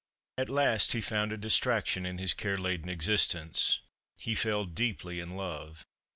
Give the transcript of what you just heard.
At last he found a distraction in his care laden existence he fell deeply in love.